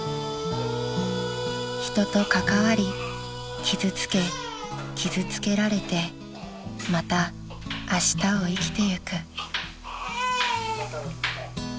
［人と関わり傷つけ傷つけられてまたあしたを生きていく］